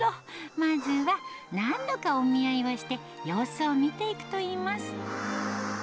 まずは何度かお見合いをして、様子を見ていくといいます。